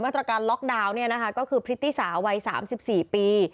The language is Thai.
มาตรการล็อกดาวน์เนี่ยนะคะก็คือพฤติสาวัยสามสิบสี่ปี